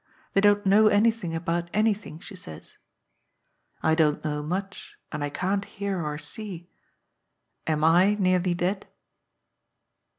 They don't know anything about anything, she says. I don't know much, and I can't hear or see. Am I nearly dead?"